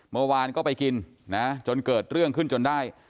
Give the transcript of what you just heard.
เมื่อวานก็ไปกินนะจนเกิดเรื่องขึ้นจนได้